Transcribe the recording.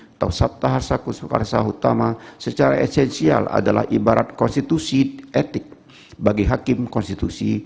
atau sabta harsa kusufarsa utama secara esensial adalah ibarat konstitusi etik bagi hakim konstitusi